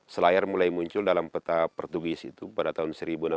selayar mulai muncul dalam peta pertugis itu pada tahun seribu enam ratus tiga puluh tiga